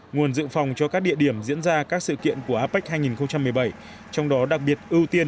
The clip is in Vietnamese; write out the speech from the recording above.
nguồn dự phòng cho các địa điểm diễn ra các sự kiện của apec hai nghìn một mươi bảy trong đó đặc biệt ưu tiên